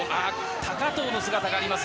高藤の姿があります